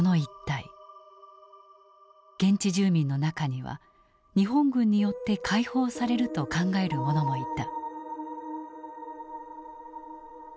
現地住民の中には日本軍によって解放されると考える者もいた。